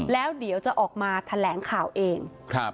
แล้วเดี๋ยวจะออกมาแถลงข่าวเอง